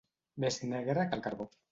Més negre que el carbó.